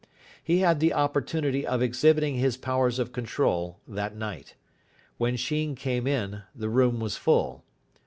He had an opportunity of exhibiting his powers of control that night. When Sheen came in, the room was full.